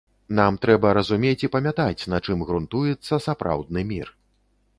Нам трэба разумець і памятаць, на чым грунтуецца сапраўдны мір.